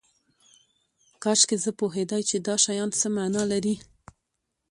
کاشکې زه پوهیدای چې دا شیان څه معنی لري